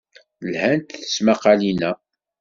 Lhant tesmaqqalin-a.